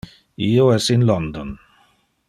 Io es in London.